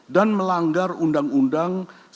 dan melanggar undang undang yang diperlukan